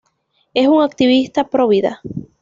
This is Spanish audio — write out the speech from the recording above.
Es un activista provida.